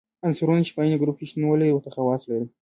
عنصرونه چې په عین ګروپ کې شتون ولري ورته خواص لري.